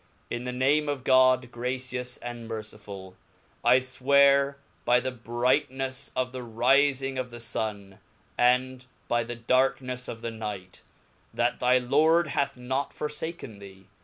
TN the name of God, gracious and merciful 1. I fwear hv the Mahomet brightneflfe of the rifing of the Sun, and by thedarknefleof compiiins Nighr, chat thy Lord hath not forfaken thee.